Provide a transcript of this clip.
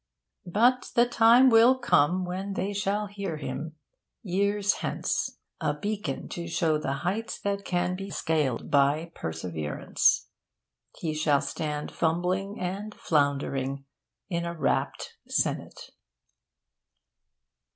But the time will come when they shall hear him. Years hence a beacon to show the heights that can be sealed by perseverance he shall stand fumbling and floundering in a rapt senate.